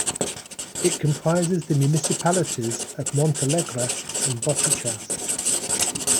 It comprises the municipalities of Montalegre and Boticas.